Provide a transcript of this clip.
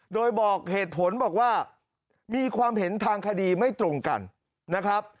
โดยบอกเหตุผลบอกว่ามีความเห็นทางคดีไม่ตรงกันนะครับ